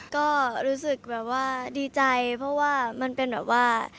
ก็รู้สึกแบบว่าดีใจเพราะว่ามันเป็นแบบว่า